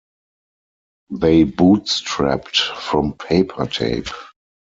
They bootstrapped from paper tape.